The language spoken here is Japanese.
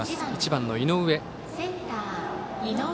１番の井上。